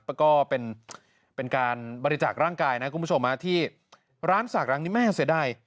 แล้วก็เป็นการบริจาคร่างกายนะคุณผู้ชมที่ร้านศักดิ์ร้านนี้แม่เสียดาย